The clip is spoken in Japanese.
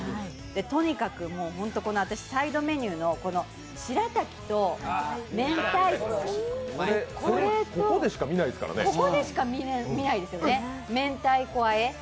とにかく私、サイドメニューのしらたきのめんたいこ、ここでしか見ないですよねめんたいこあえ。